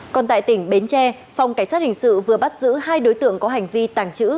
còn tại tỉnh bến tre phòng cảnh sát hình sự vừa bắt giữ hai đối tượng có hành vi tàng trữ